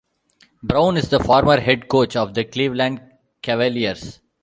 Brown is the former head coach of the Cleveland Cavaliers.